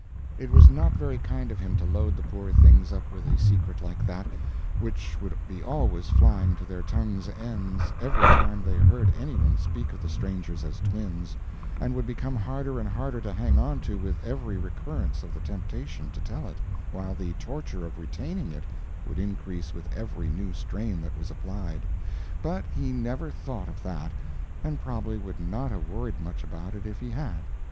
It was not very kind of him to load the poor things up with a secret like that, which would be always flying to their tongues' ends every time they heard any one speak of the strangers as twins, and would become harder and harder to hang on to with every recurrence of the temptation to tell it, while the torture of retaining it would increase with every new strain that was applied; but he never thought of that, and probably would not have worried much about it if he had.